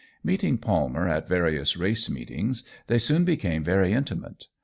Meeting Palmer at various race meetings, they soon became very intimate.